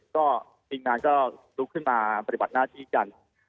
ก็ทีมงานก็ลุกขึ้นมาปฏิบัติหน้าที่กัน